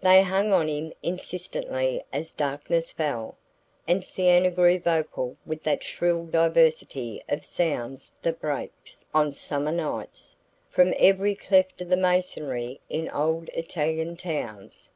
They hung on him insistently as darkness fell, and Siena grew vocal with that shrill diversity of sounds that breaks, on summer nights, from every cleft of the masonry in old Italian towns.